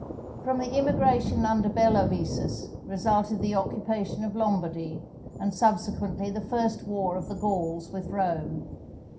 From the immigration under Bellovesus resulted the occupation of Lombardy, and, subsequently, the first war of the Gauls with Rome.